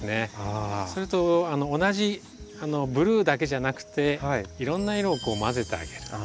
それと同じブルーだけじゃなくていろんな色をこうまぜてあげる。